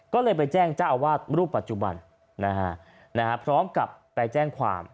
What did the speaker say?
ก็เลยไปแจ้งเจ้าอาวาสรูปปัจจุบันนะฮะพร้อมกับไปแจ้งความ